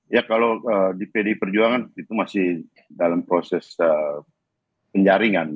ya kalau di pdi perjuangan itu masih dalam proses penjaringan